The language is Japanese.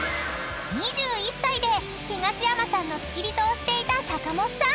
［２１歳で東山さんの付き人をしていた坂もっさん］